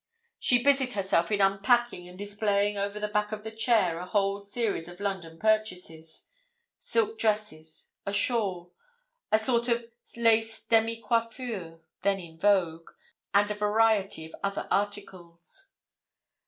She busied herself in unpacking and displaying over the back of the chair a whole series of London purchases silk dresses, a shawl, a sort of lace demi coiffure then in vogue, and a variety of other articles.